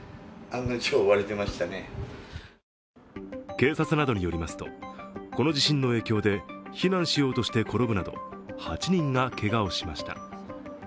警察などによりますと、この地震の影響で避難しようとして転ぶなど８人がけがをしました。